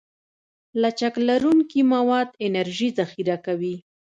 لچک لرونکي مواد انرژي ذخیره کوي.